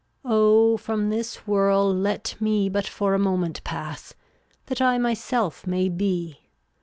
356 Oh, from this whirl let me But for a moment pass, That I myself may be.